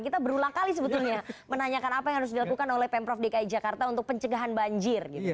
kita berulang kali sebetulnya menanyakan apa yang harus dilakukan oleh pemprov dki jakarta untuk pencegahan banjir gitu